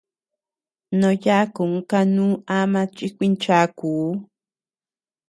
Noo yakun kanuu ama chikuincháakuu.